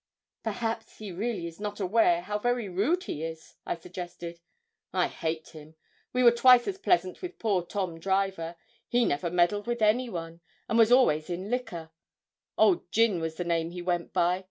'Perhaps he really is not aware how very rude he is,' I suggested. 'I hate him. We were twice as pleasant with poor Tom Driver he never meddled with any one, and was always in liquor; Old Gin was the name he went by.